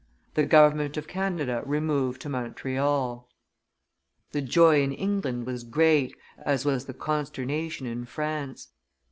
The government of Canada removed to Montreal. The joy in England was great, as was the consternation in France.